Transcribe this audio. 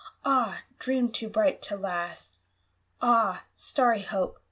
Ah, dream to bright to last! Ah, starry Hope!